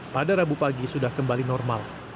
pada rabu pagi sudah kembali normal